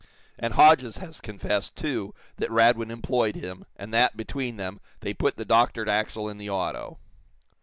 And Hodges has confessed, too, that Radwin employed him, and that, between them, they put the doctored axle in the auto."